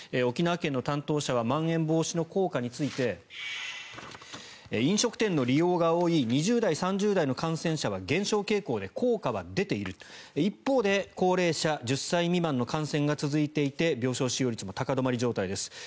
沖縄県の担当者はまん延防止の効果について飲食店の利用が多い２０代、３０代の感染者は減少傾向で、効果は出ている一方で高齢者１０歳未満の感染が続いていて病床使用率も高止まり状態です。